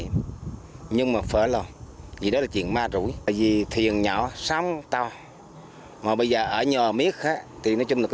mùa biển động